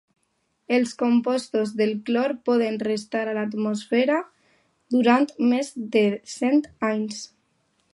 Els compostos del clor poden restar a l'atmosfera durant més de cent anys.